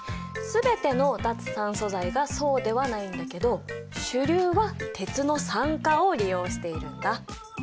全ての脱酸素剤がそうではないんだけど主流は鉄の酸化を利用しているんだ。